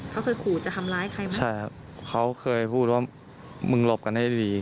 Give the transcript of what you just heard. เขาเคยขู่จะทำร้ายใครไหมใช่ครับเขาเคยพูดว่ามึงหลบกันให้ดี